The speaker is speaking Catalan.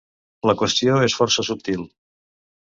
La qüestió és força subtil.